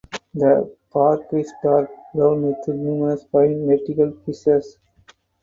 The bark is dark brown with numerous fine vertical fissures.